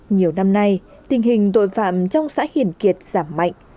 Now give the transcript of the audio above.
nhiều năm nay tình hình tội phạm trong xã hiền kiệt giảm mạnh